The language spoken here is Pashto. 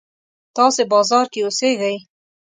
تاسې بازار کې اوسېږئ.